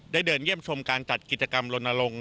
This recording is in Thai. เดินเยี่ยมชมการจัดกิจกรรมลนลง